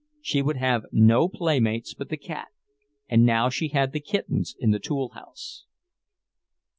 She would have no playmates but the cat; and now she had the kittens in the tool house.